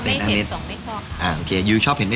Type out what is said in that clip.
พี่พอปเขายือชอบฟังนะ